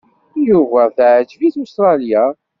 Yuba teɛǧeb-it Ustṛalya.